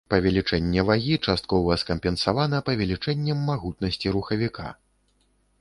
Павелічэнне вагі часткова скампенсавана павелічэннем магутнасці рухавіка.